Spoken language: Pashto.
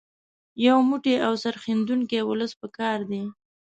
یو موټی او سرښندونکی ولس په کار دی.